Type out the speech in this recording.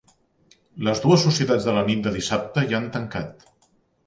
Les dues societats de la nit de dissabte ja han tancat.